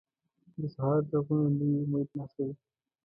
د سهار ږغونه د نوي امید نښه وي.